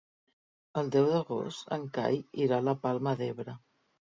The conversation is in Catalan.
El deu d'agost en Cai irà a la Palma d'Ebre.